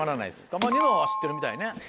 ピンポンニノは知ってるみたいね。